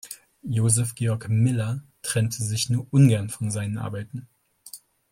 Josef Georg Miller trennte sich nur ungern von seinen Arbeiten.